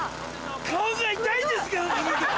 顔が痛いんですけど！